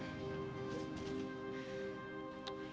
ya udah deh gue ikut